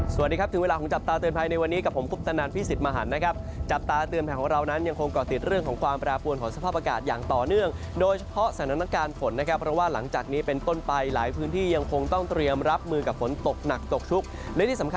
สวัสดีครับถึงเวลาของจับตาเตือนภัยในวันนี้กับผมคุปตนันพี่สิทธิ์มหันนะครับจับตาเตือนภัยของเรานั้นยังคงก่อติดเรื่องของความแปรปวนของสภาพอากาศอย่างต่อเนื่องโดยเฉพาะสถานการณ์ฝนนะครับเพราะว่าหลังจากนี้เป็นต้นไปหลายพื้นที่ยังคงต้องเตรียมรับมือกับฝนตกหนักตกชุกและที่สำคัญ